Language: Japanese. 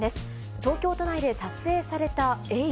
東京都内で撮影されたエイ。